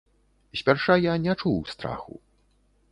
Спярша я не чуў страху.